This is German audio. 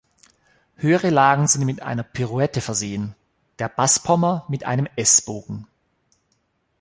Höhere Lagen sind mit einer Pirouette versehen, der Bass-Pommer mit einem S-Bogen.